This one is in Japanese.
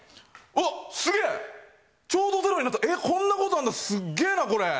おっ、すげぇ、ちょうど０になった、こんなことあるんだ、すっげえな、これ。